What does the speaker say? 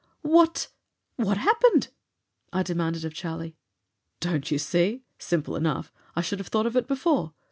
"What what happened?" I demanded of Charlie. "Don't you see? Simple enough. I should have thought of it before.